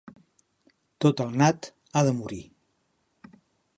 Tot el nat ha de morir.